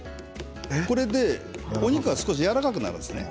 これでお肉が少しやわらかくなるんですね。